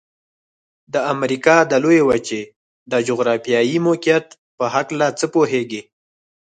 د امریکا د لویې وچې د جغرافيايي موقعیت په هلکه څه پوهیږئ؟